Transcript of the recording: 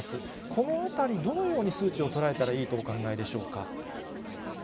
このあたり、どのように数値を捉えたらいいとお考えでしょうか。